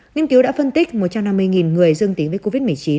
nghiên cứu đã phân tích một trăm năm mươi người dương tính với covid một mươi chín